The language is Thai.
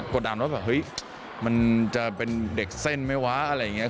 ดำแล้วแบบเฮ้ยมันจะเป็นเด็กเส้นไหมวะอะไรอย่างนี้